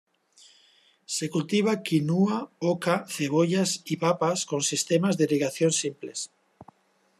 Se cultiva quinua, oca, cebollas y papas con sistemas de irrigación simples.